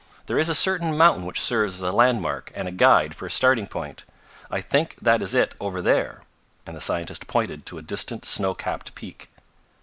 There is a certain mountain which serves as a landmark and a guide for a starting point. I think that is it over there," and the scientist pointed to a distant snow capped peak.